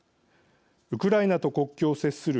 ウクライナと国境を接するＮＡＴＯ